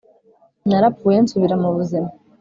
narapfuye nsubira mu buzima…